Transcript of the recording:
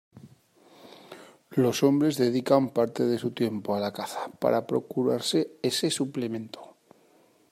Los hombres dedican parte de su tiempo a la caza, para procurarse ese suplemento.